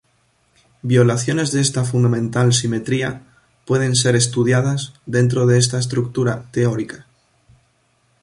Violaciones de esta fundamental simetría pueden ser estudiadas dentro de esta estructura teórica.